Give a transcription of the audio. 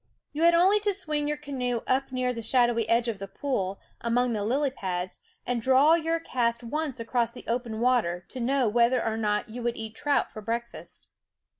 You had only to swing your canoe up near the shadowy edge of the pool, among the lily pads, and draw your cast once across the open water to know whether or not you would eat trout for breakfast.